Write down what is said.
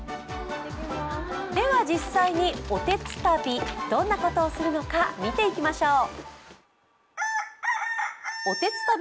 では、実際におてつたびどんなことをするのか見ていきましょう。